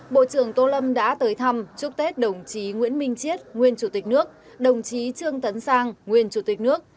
bộ trưởng tô lâm đã tới thăm chúc tết đồng chí nguyễn minh chiết nguyên chủ tịch nước đồng chí trương tấn sang nguyên chủ tịch nước